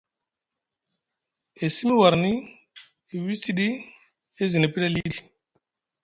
E simi warni, e wi siɗi, e zini piɗi aliɗi,